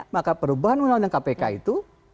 maka perubahan undang undang kpk itu